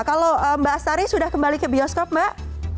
kalau mbak astari sudah kembali ke bioskop mbak